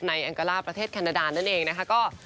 ในอังกฤษประเทศแคนดานั่นเองนะคะ